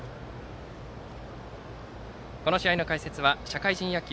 この試合の解説は社会人野球